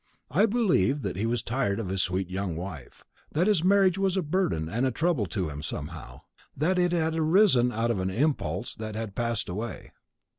I believe that he was tired of his sweet young wife; that his marriage was a burden and a trouble to him somehow; that it had arisen out of an impulse that had passed away."